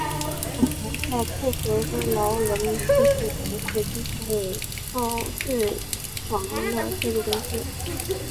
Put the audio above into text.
晚年的佩格劳仍继续从事交通号志小人的设计工作。